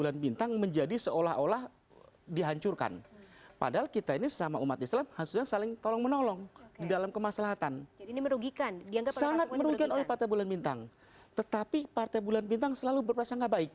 yang dilakukan sebelum penetapan capres